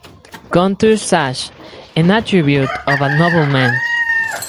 Kontush Sash an Attribute of a Nobleman.